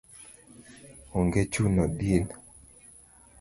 onge chuno din